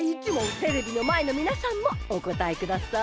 テレビのまえのみなさんもおこたえください。